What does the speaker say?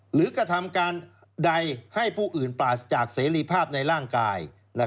กระทำการใดให้ผู้อื่นปราศจากเสรีภาพในร่างกาย